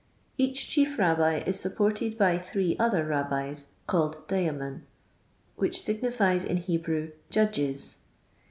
Each chief Rabbi is supported by three other Rabbis^ called Dayamin, which signifies in Hebrew 'Judges.'